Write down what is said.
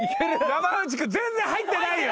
山内君全然入ってないよ。